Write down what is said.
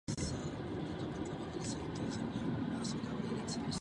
Uvnitř areálu stojí několik budov.